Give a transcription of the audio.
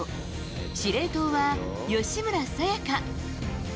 司令塔は吉村紗也香。